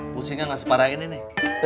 pusingnya gak separahin ini